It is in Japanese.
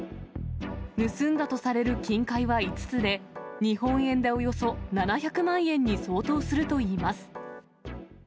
盗んだとされる金塊は５つで、日本円でおよそ７００万円に相当するといいます。